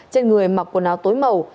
trên người mặc quần áo tối màu